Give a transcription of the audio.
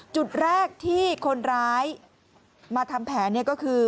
จุดแรกที่คนร้ายมาทำแผนก็คือ